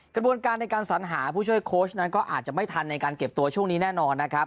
กระบวนการในการสัญหาผู้ช่วยโค้ชนั้นก็อาจจะไม่ทันในการเก็บตัวช่วงนี้แน่นอนนะครับ